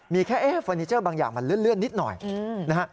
มีแค่เฟอร์นิเจอร์บางอย่างมันเลื่อนนิดหน่อยนะฮะ